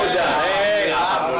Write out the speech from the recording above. jadi gimana ini